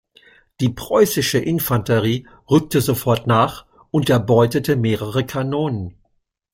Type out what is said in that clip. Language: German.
Die preußische Infanterie rückte sofort nach und erbeutete mehrere Kanonen.